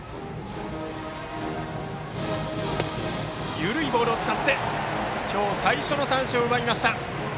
緩いボールを使って今日、最初の三振を奪いました。